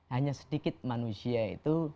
hanya sedikit manusia itu